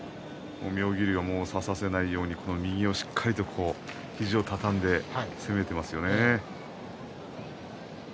妙義龍は差させないように右はしっかりと肘を畳んで攻めていますよね。